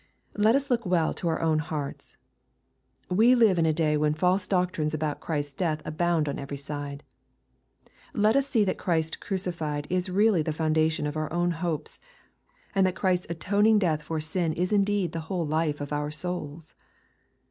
Let us look well to our own hearts. We live in a day when false doctrines about Christ's death abound on every side. Let us see that Christ crucified is really the foundation of our own hopes, and that Christ's atoning death for sin is indeed the whole life of our souls.